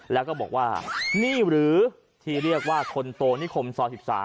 แล้วก็บอกว่านี่หรือที่เรียกว่าคนโตนิคมซอย๑๓